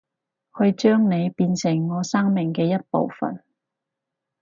去將你變成我生命嘅一部份